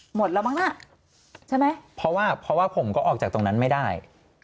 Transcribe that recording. หมดแล้วมั้งน่ะใช่ไหมเพราะว่าเพราะว่าผมก็ออกจากตรงนั้นไม่ได้